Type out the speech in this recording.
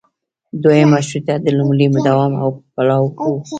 دویم مشروطیت د لومړي دوام او پړاو و.